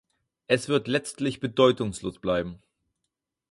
Es wird letztlich bedeutungslos bleiben.